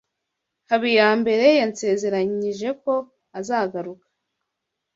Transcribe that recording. Habiyambere yansezeranije ko azagaruka.